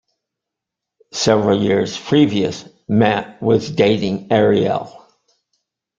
Several years previous, Matt was dating Arielle.